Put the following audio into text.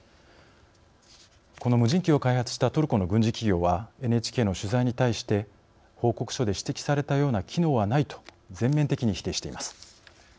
この無人機を開発したトルコの軍事企業はＮＨＫの取材に対して報告書で指摘されたような機能はないと全面的に否定しています。